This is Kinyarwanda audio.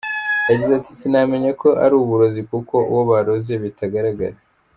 Yagize ati “Sinamenya ko ari uburozi kuko uwo baroze bitagaragara’.